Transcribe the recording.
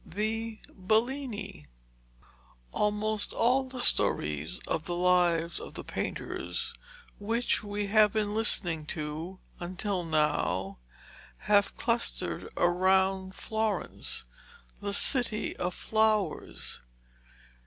THE BELLINI Almost all the stories of the lives of the painters which we have been listening to, until now, have clustered round Florence, the City of Flowers.